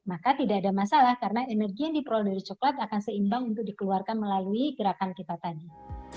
maka tidak ada masalah karena energi yang diperoleh dari coklat akan seimbang untuk dikeluarkan melalui gerakan kita tadi